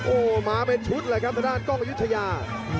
โอ้หมาไปชุดแหละครับทะด้านก้องอยุธยา